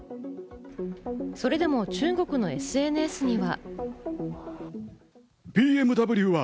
それでも中国のＳＮＳには。